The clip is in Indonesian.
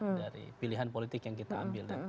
jadi itu adalah kebijakan politik yang kita ambil